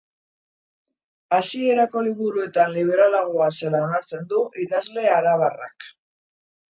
Hasierako liburuetan liberalagoa zela onartzen du idazle arabarrak.